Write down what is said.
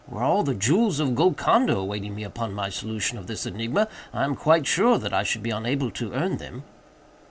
Were all the jewels of Golconda awaiting me upon my solution of this enigma, I am quite sure that I should be unable to earn them."